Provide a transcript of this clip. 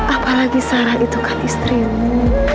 apalagi sarah itu kan istrimu